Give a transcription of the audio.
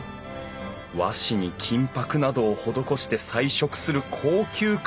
和紙に金ぱくなどを施して彩色する高級壁紙。